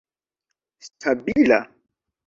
stabila